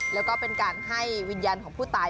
แล้วก็เป็นการให้วิญญาณของผู้ตาย